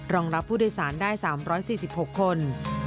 รับผู้โดยสารได้๓๔๖คน